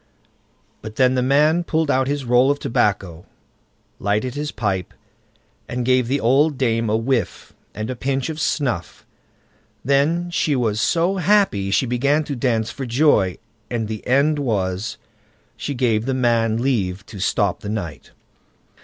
But then the man pulled out his roll of tobacco, lighted his pipe, and gave the old dame a whiff, and a pinch of snuff. Then she was so happy she began to dance for joy, and the end was, she gave the man leave to stop the night.